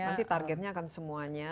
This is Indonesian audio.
nanti targetnya akan semuanya